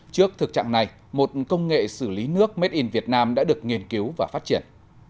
trước thực trạng này một công nghệ xử lý nước made in việt nam đã được nghiên cứu và phát triển